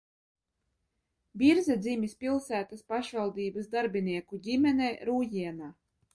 Birze dzimis pilsētas pašvaldības darbinieku ģimenē Rūjienā.